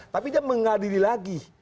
tapi dia mengadili lagi